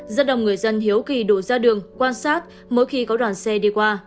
rất đông người dân hiếu kỳ đổ ra đường quan sát mỗi khi có đoàn xe đi qua